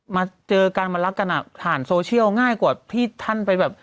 มาเจอกันมารักกันอ่ะผ่านโซเชียลง่ายกว่าที่ท่านไปแบบ